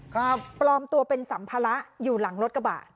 ปลอมตัวเป็นสัมภาระอยู่หลังรถกระบะ